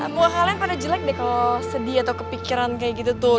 muka kalian pada jelek deh kalau sedih atau kepikiran kayak gitu tuh